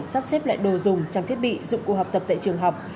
sắp xếp lại đồ dùng trang thiết bị dụng cụ học tập tại trường học